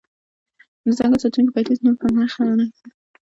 د ځنګل ساتونکی بابټیست نون په سخته نښته کې ګیر شوی و.